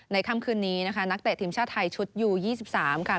ในค่ำคืนนี้นะคะนักเตะทีมชาติไทยชุดยูยี่สิบสามค่ะ